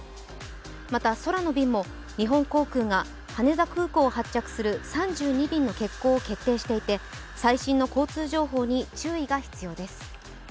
また空の便も日本航空が羽田空港を発着する３２便の欠航を決定していて最新の交通情報に注意が必要です。